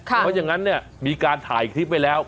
เพราะอย่างนั้นเนี่ยมีการถ่ายคลิปไว้แล้ว